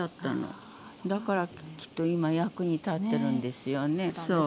だからきっと今役に立ってるんですよね。